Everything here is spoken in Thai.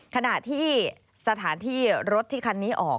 ขณะที่สถานที่รถที่คันนี้ออก